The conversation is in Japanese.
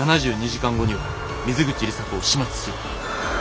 「７２時間後には水口里紗子を始末する」。